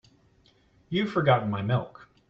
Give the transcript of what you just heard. You've forgotten my milk.